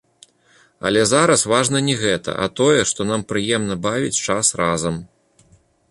Але зараз важна не гэта, а тое, што нам прыемна бавіць час разам.